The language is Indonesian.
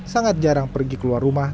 sangat jarang pergi keluar rumah